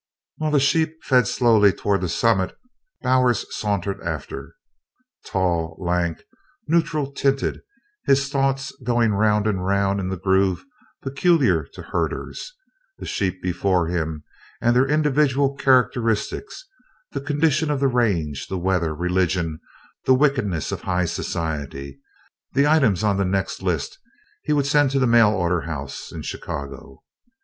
While the sheep fed slowly toward the summit, Bowers sauntered after tall, lank, neutral tinted, his thoughts going round and round in the groove peculiar to herders the sheep before him and their individual characteristics, the condition of the range, the weather, religion, the wickedness of "High Society," the items on the next list he would send to the mail order house in Chicago.